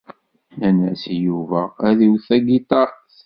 Nnan-as i Yuba ad iwet tagiṭart.